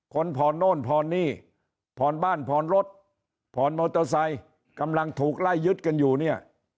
ผ่อนโน่นผ่อนหนี้ผ่อนบ้านผ่อนรถผ่อนมอเตอร์ไซค์กำลังถูกไล่ยึดกันอยู่เนี่ย